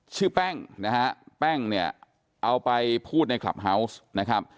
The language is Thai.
ชื่อแป้งนะฮะแป้งเนี่ยเอาไปพูดในคลับเฮาวส์นะครับ